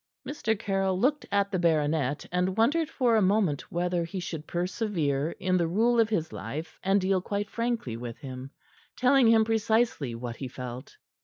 Mr. Caryll looked at the baronet, and wondered for a moment whether he should persevere in the rule of his life and deal quite frankly with him, telling him precisely what he felt.